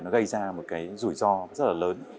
gây ra một cái rủi ro rất là lớn